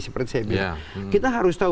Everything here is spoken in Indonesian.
seperti saya bilang kita harus tahu